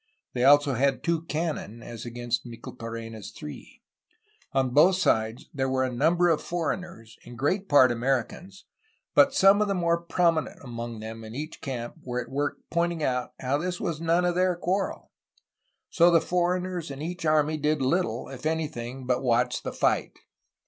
They also had two cannon as against Micheltorena's^ three. On both sides there were a number of foreigners, in great part Ameri cans, but some of the more prominent among them in each camp were at work pointing out how this was none of their quarrel. So the foreigners in each army did little, if any thing, but watch the fight.